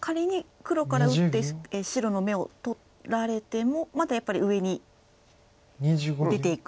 仮に黒から打って白の眼を取られてもまだやっぱり上に出ていく。